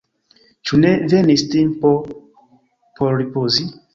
ĉu ne venis tempo por ripozi?